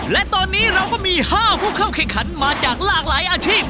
และตอนนี้เราก็มี๕ผู้เข้าแข่งขันมาจากหลากหลายอาชีพ